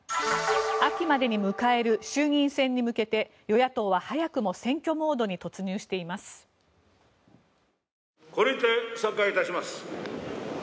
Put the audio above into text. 秋までに迎える衆議院選に向けて与野党は早くも選挙モードに突入しています。